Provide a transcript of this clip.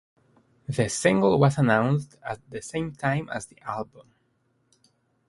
The single was announced at the same time as the album.